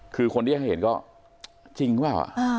คือคนที่ให้เห็นก็จริงหรือเปล่า